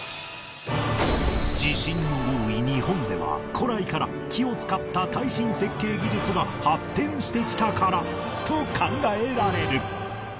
地震の多い日本では古来から木を使った耐震設計技術が発展してきたからと考えられる